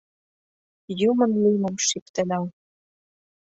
Юмын лӱмым шӱктеда...